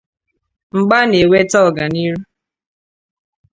Mgba na- eweta ọganiru